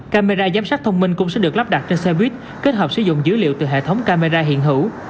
camera giám sát thông minh cũng sẽ được lắp đặt trên xe buýt kết hợp sử dụng dữ liệu từ hệ thống camera hiện hữu